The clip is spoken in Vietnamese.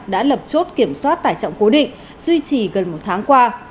đã lập chốt kiểm soát tải trọng cố định duy trì gần một tháng qua